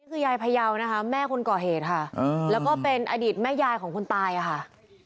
คือยายพยาวนะคะแม่คนก่อเหตุค่ะแล้วก็เป็นอดีตแม่ยายของคนตายอะค่ะ